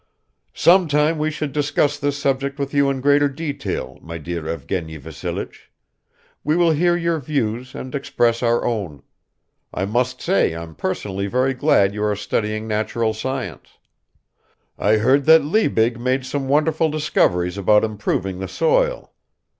"Sometime we should discuss this subject with you in greater detail, my dear Evgeny Vassilich; we will hear your views and express our own. I must say I'm personally very glad you are studying natural science. I heard that Liebig made some wonderful discoveries about improving the soil.